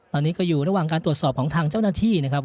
ตอนนี้ก็อยู่ระหว่างการตรวจสอบของทางเจ้าหน้าที่นะครับ